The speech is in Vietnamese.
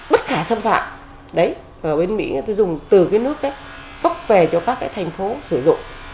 bất khả xâm phạm ở bên mỹ người ta dùng từ cái nước cấp về cho các thành phố sử dụng